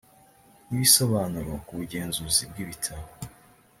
n ibisobanuro ku bugenzuzi bw ibitabo